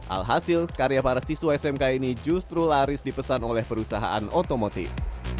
alhasil karya para siswa smk ini justru laris dipesan oleh perusahaan otomotif